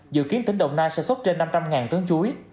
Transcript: dự kiến tỉnh đồng nai sẽ xuất trên năm trăm linh tấn chuối